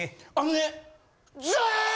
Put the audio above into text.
あのね。